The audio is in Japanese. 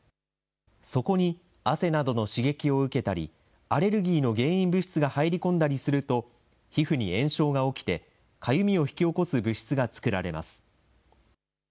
そこに汗などの刺激を受けたり、アレルギーの原因物質が入り込んだりすると、皮膚に炎症が起きて、かゆみを引き起こす物質が作られます。